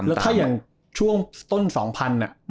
แล้วถ้ายังช่วงต้น๒๐๐๐อ่ะ